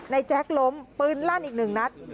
แจ๊กล้มปืนลั่นอีกหนึ่งนัด